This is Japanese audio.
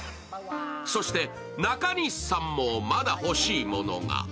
そして中西さんも、まだ欲しいものが。